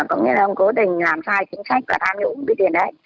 có nghĩa là ông cố tình làm sai chính sách và tham nhũng cái tiền đấy